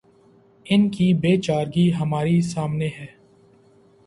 ان کی بے چارگی ہمارے سامنے ہے۔